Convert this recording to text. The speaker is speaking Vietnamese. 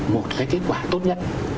một cái kết quả tốt nhất